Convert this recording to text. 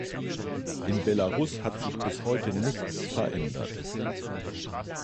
In Belarus hat sich bis heute nichts verändert.